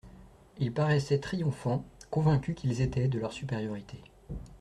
Ils paraissaient triomphants, convaincus qu'ils étaient de leur supériorité.